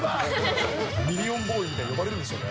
ミリオンボーイみたいに呼ばれるんでしょうね。